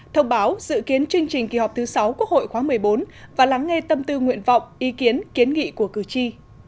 thông báo dự kiến chương trình kỳ họp thứ sáu quốc hội khóa một mươi bốn và lắng nghe tâm tư nguyện vọng ý kiến kiến nghị của cử tri